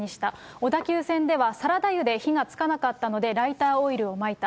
小田急線ではサラダ油で火がつかなかったので、ライターオイルをまいた。